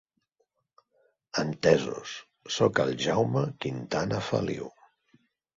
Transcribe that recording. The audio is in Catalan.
Entesos, soc el Jaume Quintana Feliu.